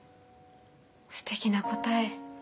すてきな答え。